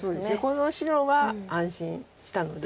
この白は安心したので。